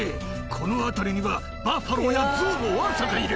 この辺りにはバッファローやゾウもわんさかいる。